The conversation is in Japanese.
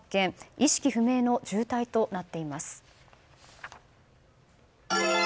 意識不明の重体となっています。